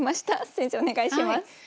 先生お願いします。